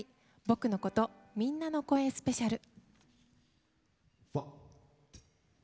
「僕のこと・みんなの声スペシャル」。